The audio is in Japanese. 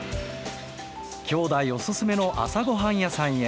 兄弟おすすめの朝ごはん屋さんへ。